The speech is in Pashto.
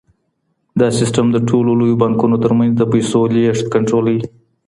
دا سیسټم د ټولو لویو بانکونو ترمنځ د پيسو لېږد کنټرولوي.